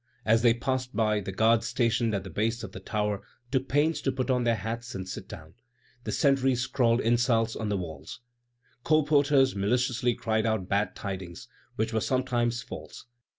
As they passed by, the guards stationed at the base of the tower took pains to put on their hats and sit down. The sentries scrawled insults on the walls. Colporteurs maliciously cried out bad tidings, which were sometimes false.